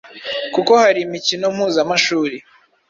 kuko hari imikino mpuzamashuri